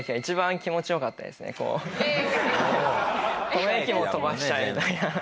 この駅も飛ばしちゃえみたいな。